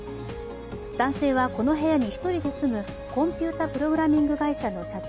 男性はこの部屋に１人で住むコンピュータプログラミング会社の社長